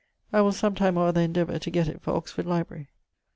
I will sometime or other endeavour to gett it for Oxford Library.